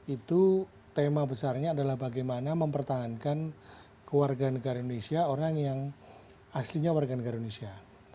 itu tema besarnya adalah bagaimana mempertahankan keluarga negara indonesia orang yang aslinya warga negara indonesia